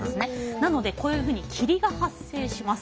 なのでこういうふうに霧が発生します。